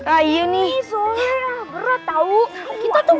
ayun nih soalnya berat tahu kita tuh